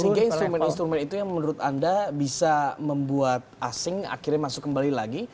sehingga instrumen instrumen itu yang menurut anda bisa membuat asing akhirnya masuk kembali lagi